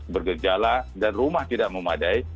bergejala dan rumah tidak memadai